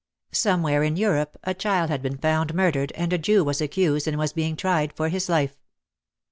Somewhere in Europe a child had been found murdered and a Jew was accused and was being tried for his life.